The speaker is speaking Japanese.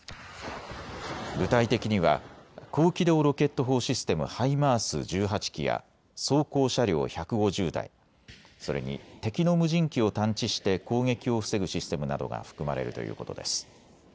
具体的には高機動ロケット砲システム・ハイマース１８基や装甲車両１５０台、それに敵の無人機を探知して攻撃を防ぐシステムなどが含まれるということです。